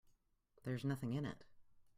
There's nothing in it.